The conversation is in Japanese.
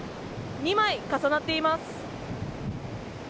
２枚重なっています。